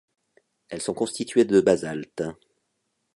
Elles sont constituées de basalte.